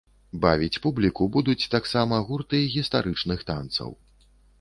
Бавіць публіку будуць таксама гурты гістарычных танцаў.